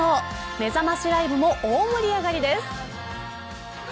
めざましライブも大盛り上がりです。